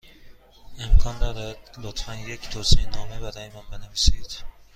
امکان دارد، لطفا، یک توصیه نامه برای من بنویسید؟